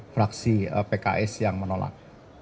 fraksi pks yang menolak